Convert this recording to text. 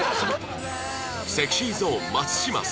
ＳｅｘｙＺｏｎｅ 松島聡